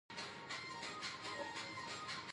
او د ذهني مريضانو سره بحث